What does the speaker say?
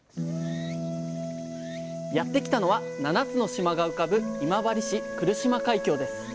やって来たのは７つの島が浮かぶ今治市来島海峡です